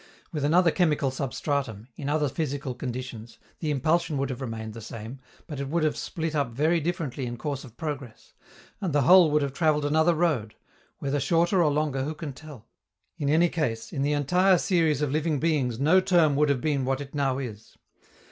With another chemical substratum, in other physical conditions, the impulsion would have remained the same, but it would have split up very differently in course of progress; and the whole would have traveled another road whether shorter or longer who can tell? In any case, in the entire series of living beings no term would have been what it now is.